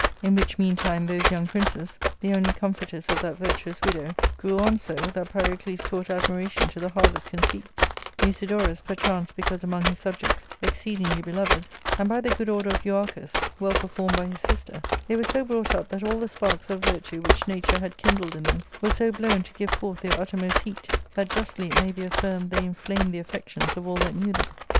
In which mean time those young princes, the* only comforters of that virtuous widow, grew on so, that Pyrocles taught admiration to the hardest conceits ; Musi dorus, perchance because among his subjects, exceedingly beloved; and, by the good order of Euarchus — well performed , by his sister — they were so brought up that all the sparks of ^ virtue which nature had kindled in them were so blown to give forth their uttermost heat, that justly it may be affirmed they inflamed the affections of all that knew them.